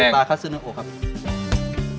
ปลาฮัสซู่โนโก่ครับ